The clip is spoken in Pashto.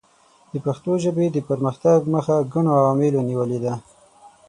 د پښتو ژبې د پرمختګ مخه ګڼو عواملو نیولې ده.